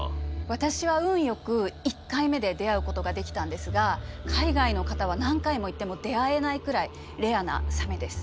私は運よく１回目で出会うことができたんですが海外の方は何回も行っても出会えないくらいレアなサメです。